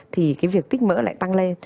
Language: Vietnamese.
thì cái việc tích mỡ lại tăng lên